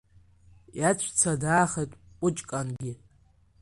Иаҵәца даахеит Кәыҷкангьы.